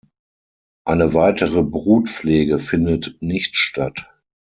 Eine weitere Brutpflege findet nicht statt.